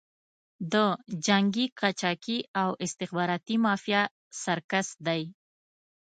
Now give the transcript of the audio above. د جنګي قاچاقي او استخباراتي مافیا سرکس دی.